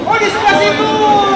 oh disurah situ